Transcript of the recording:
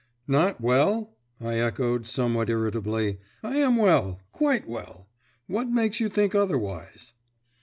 "Not well?" I echoed, somewhat irritably; "I am well, quite well. What makes you think otherwise?"